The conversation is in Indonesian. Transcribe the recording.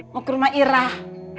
mau ke rumah irah